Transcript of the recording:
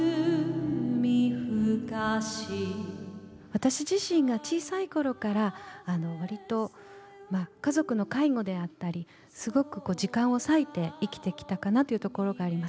私自身が小さいころから、わりと家族の介護であったりすごく時間を割いて生きてきたかなというところがあります。